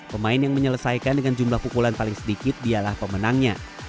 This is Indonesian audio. pemain yang menyelesaikan dengan jumlah pukulan paling sedikit dialah pemenangnya